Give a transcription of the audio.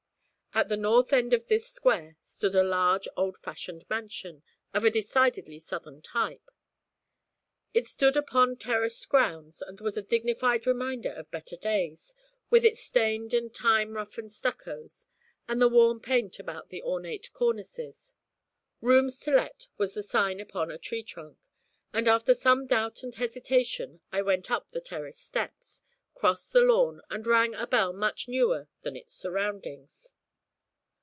At the north end of this square stood a large old fashioned mansion, of a decidedly Southern type. It stood upon terraced grounds, and was a dignified reminder of better days, with its stained and time roughened stuccos, and the worn paint about the ornate cornices. 'Rooms to Let' was the sign upon a tree trunk, and after some doubt and hesitation, I went up the terraced steps, crossed the lawn, and rang a bell much newer than its surroundings.